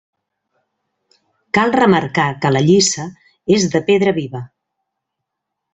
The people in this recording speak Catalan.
Cal remarcar que la lliça és de pedra viva.